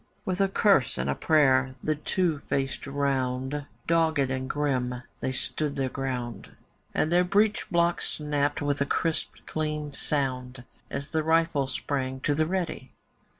With a curse and a prayer the two faced round, Dogged and grim they stood their ground, And their breech blocks snapped with a crisp clean sound As the rifles sprang to the 'ready.